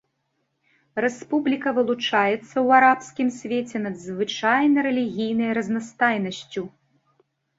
Рэспубліка вылучаецца ў арабскім свеце надзвычайнай рэлігійнай разнастайнасцю.